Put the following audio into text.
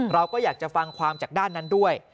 เราก็อยากจะฟังความจากด้านนั้นด้วย